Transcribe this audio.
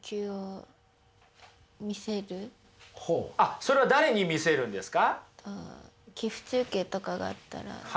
それは誰に見せるんですか？